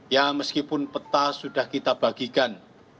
ya meskipun peta sudah kita bagikan